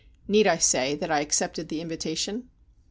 Need I say that I accepted the invitation?